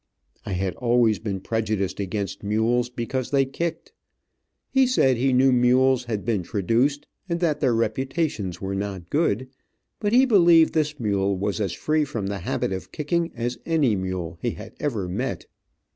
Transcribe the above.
I had always been prejudiced against mules because they kicked. He said he knew mules had been traduced, and that their reputations were not good, but he believed this mule was as free from the habit of kicking as any mule he had ever met.